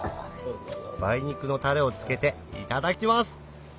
梅肉のタレをつけていただきます